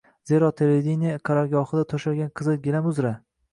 Zero televideniye qarorgohida to‘shalgan qizil gilam uzra